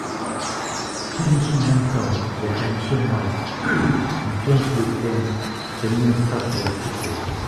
Strange's mentor, the Ancient One, and Strange became the new Sorcerer Supreme.